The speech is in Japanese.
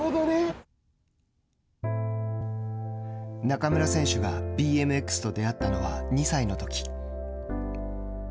中村選手がＢＭＸと出会ったのは２歳のとき。